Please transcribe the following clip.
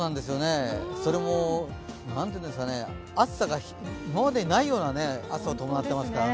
それも暑さが今までにないような暑さを伴っていますから。